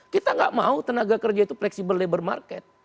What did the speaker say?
kita nggak mau tenaga kerja itu fleksibel labor market